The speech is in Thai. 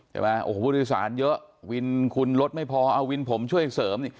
ผู้โดยสารเยอะวินคุณลดไม่พอเอาวินผมช่วยเสริม